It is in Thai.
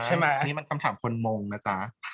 ใช่ไหมอันนี้มันคำถามคนมงนะจ๊ะ